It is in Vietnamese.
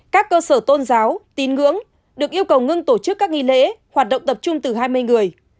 các cơ sở tôn giáo tín ngưỡng được yêu cầu ngưng tổ chức các nghi lễ hoạt động tập trung từ hai mươi người